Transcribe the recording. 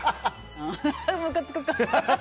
ムカつく顔！